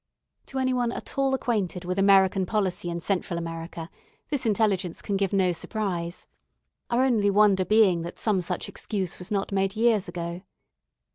To any one at all acquainted with American policy in Central America, this intelligence can give no surprise; our only wonder being that some such excuse was not made years ago.